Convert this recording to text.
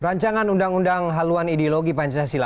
rancangan undang undang haluan ideologi pancasila